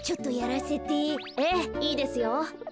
ええいいですよ。